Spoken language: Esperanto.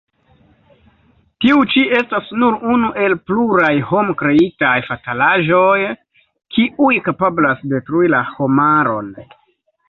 Tiu ĉi estas nur unu el pluraj homkreitaj fatalaĵoj, kiuj kapablas detrui la homaron.